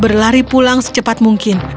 berlari pulang secepat mungkin